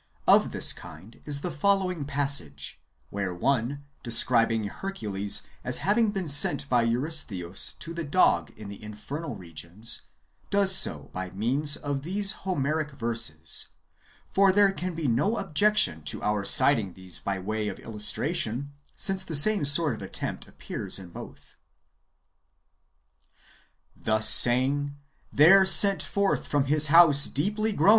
Of this kind^ is the following passage, where one, describing Hercules as having been sent by Eurys theus to the dog in the infernal regions, does so by means of these Homeric verses, — for there can be no objection to our citing these by way of illustration, since the same sort of attempt appears in both : 1 It is difficult to give an exact rendering of f^i^irSiv in this passage ; the old Lat.